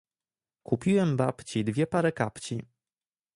Kupiłem babci dwie pary kapci.